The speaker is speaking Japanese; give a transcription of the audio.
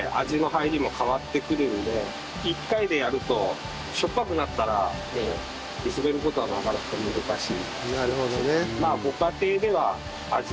１回でやるとしょっぱくなったら薄める事はなかなか難しい。